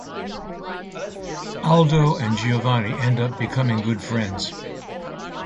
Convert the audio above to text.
Aldo and Giovanni end up becoming good friends.